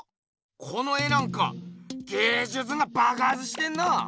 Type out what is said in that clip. この絵なんか芸術がばくはつしてんな！